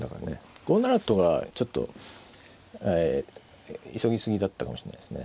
５七とがちょっとええ急ぎすぎだったかもしれないですね。